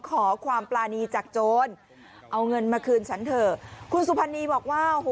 ขอความปรานีจากโจรเอาเงินมาคืนฉันเถอะคุณสุพรรณีบอกว่าโอ้โห